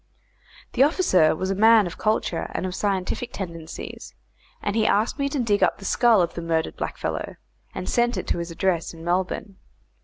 The officer was a man of culture and of scientific tendencies, and he asked me to dig up the skull of the murdered blackfellow, and sent it to his address in Melbourne.